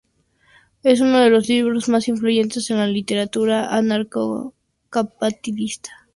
Es uno de los libros más influyentes en la literatura anarcocapitalista.